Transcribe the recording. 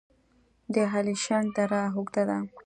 د الیشنګ دره اوږده ده